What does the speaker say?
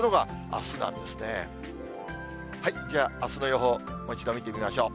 あすの予報、もう一度見てみましょう。